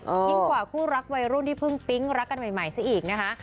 ยิ่งกว่าคู่รักวัยรุ่นที่เพิ่งปิ๊งรักกันใหม่ซะอีกนะคะ